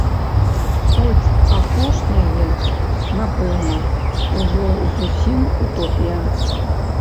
Хоць апошняе, напэўна, ужо зусім утопія.